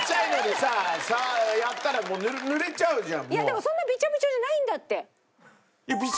でもそんなビチョビチョじゃないんだって。